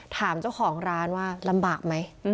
ถามเจ้าของร้านว่าลำบากไหม